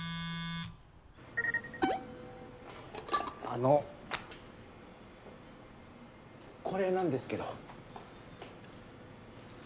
あのこれなんですけど。